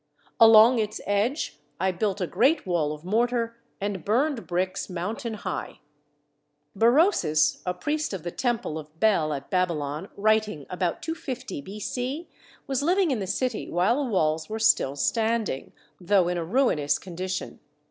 Along its edge I built a great wall of mortar and burned bricks moun tain high. Berossus, a priest of the temple of Bel at Baby lon, writing about 250 B.C., was living in the city while the walls were still standing, though in a ruinous condition.